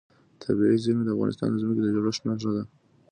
طبیعي زیرمې د افغانستان د ځمکې د جوړښت نښه ده.